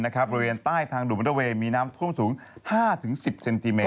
บริเวณใต้ทางดูดมอเตอร์เวย์มีน้ำท่วมสูง๕๑๐เซนติเมต